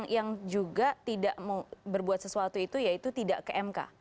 yang juga tidak berbuat sesuatu itu yaitu tidak ke mk